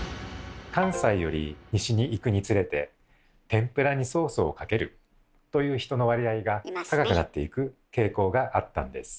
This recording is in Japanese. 関西より西に行くにつれて「天ぷらにソースをかける」という人の割合が高くなっていく傾向があったんです。